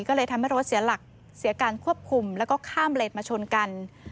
ก็เลยทำให้รถเสียหลักเสียการควบคุมแล้วก็ข้ามเลนมาชนกัน